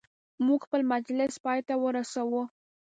موږ خپل مجلس پایته ورساوه.